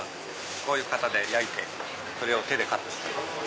こういう型で焼いてそれを手でカットしてます。